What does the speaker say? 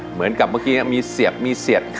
เหมือนกับเมื่อกี้มีเสียด